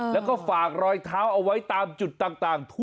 แล้วก็ฝากรอยเท้าเอาไว้ตามจุดต่าง